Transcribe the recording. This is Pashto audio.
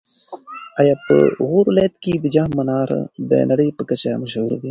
ایا په غور ولایت کې د جام منار د نړۍ په کچه مشهور دی؟